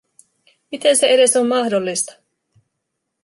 Miten se edes on mahdollista?!